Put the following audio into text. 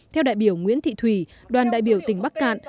theo đại biểu nguyễn thị thủy đoàn đại biểu tỉnh bắc cạn